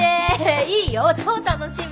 いいよ超楽しみ。